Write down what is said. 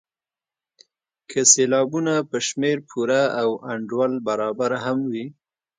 که سېلابونه په شمېر پوره او انډول برابر هم وي.